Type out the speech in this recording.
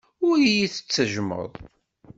Ur iyi-tettejjmeḍ.